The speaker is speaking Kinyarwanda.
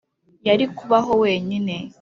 yari kubaho wenyine.